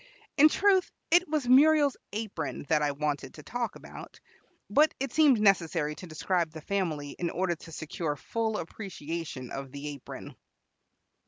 In truth, it was Muriel's apron that I wanted to talk about; but it seemed necessary to describe the family in order to secure full appreciation of the apron.